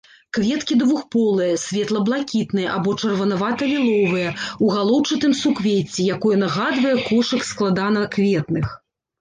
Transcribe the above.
Кветкі двухполыя, светла-блакітныя або чырванавата-ліловыя, у галоўчатым суквецці, якое нагадвае кошык складанакветных.